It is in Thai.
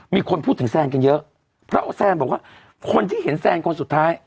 มีคนพูดถึงแซนกันเยอะเพราะแซนบอกว่าคนที่เห็นแซนคนสุดท้าย